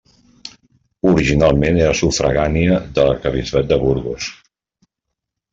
Originalment era sufragània de l'arquebisbat de Burgos.